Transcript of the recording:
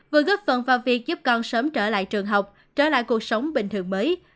vừa góp phần vào việc giúp con sớm trở lại trường học trở lại cuộc sống bình thường mới